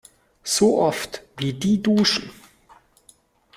So oft, wie die duschen!